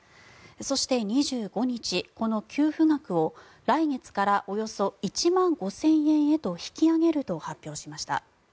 そして２５日、この給付額を来月からおよそ１万５０００円へと引き上げると発表しました。